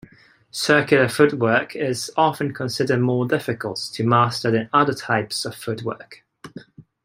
Circular footwork is often considered more difficult to master than other types of footwork.